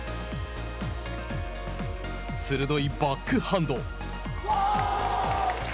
鋭いバッグハンド。